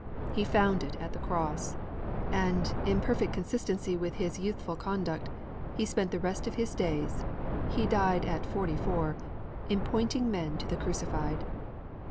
He found it at the Cross! And, in perfect consistency with his youthful conduct, he spent the rest of his days he died at forty four in pointing men to the Crucified.